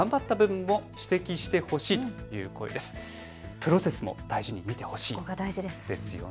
プロセスも大事に見てほしい。